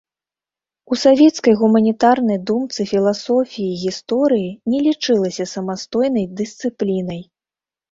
У савецкай гуманітарнай думцы філасофіі гісторыі не лічылася самастойнай дысцыплінай.